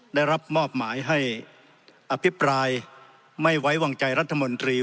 ได้รับมอบหมายให้อภิปรายไม่ไว้วางใจรัฐมนตรี